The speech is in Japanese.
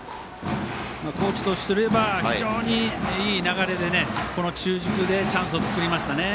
高知とすれば非常にいい流れで中軸でチャンスを作りましたね。